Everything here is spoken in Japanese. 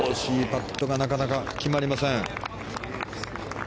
パットがなかなか決まりません。